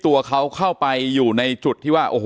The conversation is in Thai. ต่อยอีกต่อยอีกต่อยอีกต่อยอีก